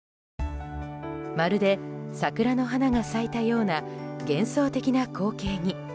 まるで桜の花が咲いたような幻想的な光景に。